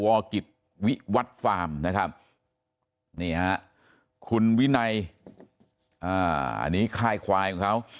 กิจวิวัตรฟาร์มนะครับนี่ฮะคุณวินัยอันนี้ค่ายควายของเขา